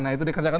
nah itu dikerjakan